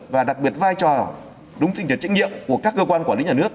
và đặc biệt vai trò đúng tình tiết trịnh nhiệm của các cơ quan quản lý nhà nước